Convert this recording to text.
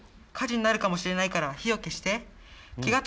火事になるかもしれないから火を消して。